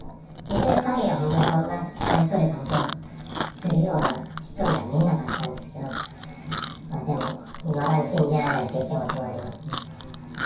見てるかぎりはそんな大それたことをするような人には見えなかったんですけど、でも、いまだに信じられないという気持ちもありますね。